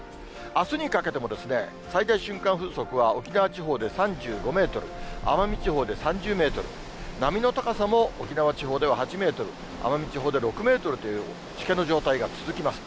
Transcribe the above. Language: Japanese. あすにかけても、最大瞬間風速は、沖縄地方で３５メートル、奄美地方で３０メートル、波の高さも沖縄地方では８メートル、奄美地方で６メートルというしけの状態が続きます。